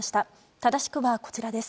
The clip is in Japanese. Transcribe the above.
正しくはこちらです。